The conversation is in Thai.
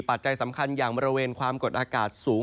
ปัจจัยสำคัญอย่างบริเวณความกดอากาศสูง